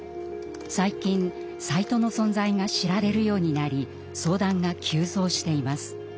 我々は最近サイトの存在が知られるようになり相談が急増しています。